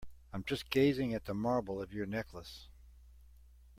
I'm just gazing at the marble of your necklace.